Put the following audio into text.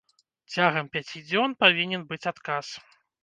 Цягам пяці дзён павінен быць адказ.